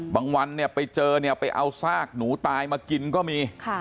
วันเนี่ยไปเจอเนี่ยไปเอาซากหนูตายมากินก็มี